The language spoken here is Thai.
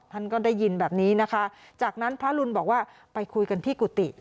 ท่านก็ได้ยินแบบนี้นะคะจากนั้นพระรุนบอกว่าไปคุยกันที่กุฏิ